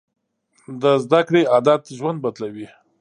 د زده کړې عادت ژوند بدلوي.